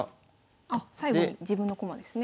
あ最後に自分の駒ですね。